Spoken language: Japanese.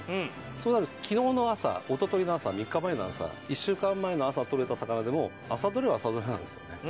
そうなると昨日の朝おとといの朝３日前の朝１週間前の朝獲れた魚でも朝獲れは朝獲れなんですよね